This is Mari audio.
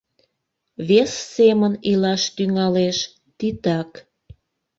Вес семын илаш тӱҥалеш — титак.